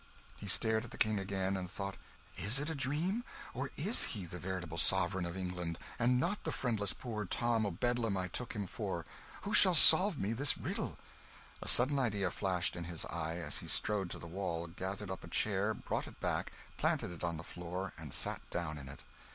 He stared at the King again and thought, "Is it a dream ... or is he the veritable Sovereign of England, and not the friendless poor Tom o' Bedlam I took him for who shall solve me this riddle?" A sudden idea flashed in his eye, and he strode to the wall, gathered up a chair, brought it back, planted it on the floor, and sat down in it!